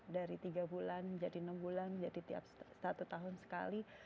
dari tiga bulan jadi enam bulan jadi tiap satu tahun sekali